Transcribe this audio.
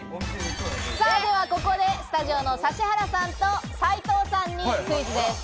ではここで、スタジオの指原さんと斉藤さんにクイズです。